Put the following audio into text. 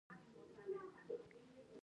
راته ووایاست چي مس بارکلي په روغتون کې ده؟